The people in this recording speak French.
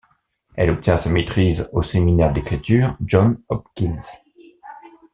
Elle obtient sa maîtrise au séminaire d'écriture John Hopkins.